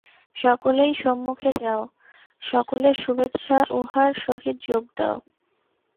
সকলেই সম্মুখে যাও, সকলের শুভেচ্ছা উহার সহিত যোগ দাও।